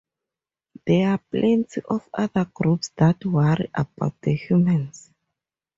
There are plenty of other groups that worry about the humans.